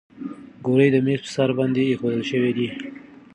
ګولۍ د میز په سر باندې ایښودل شوې دي.